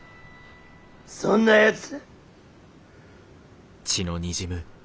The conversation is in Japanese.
そんなやつ。